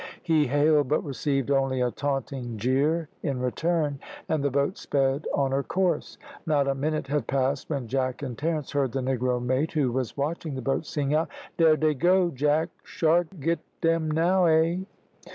He hailed, but received only a taunting jeer in return, and the boat sped on her course. Not a minute had passed when Jack and Terence heard the negro mate, who was watching the boat, sing out "Dere dey go, Jack shark get dem now eh?"